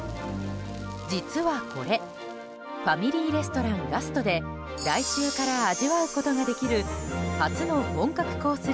実はこれファミリーレストラン、ガストで来週から味わうことができる初の本格コース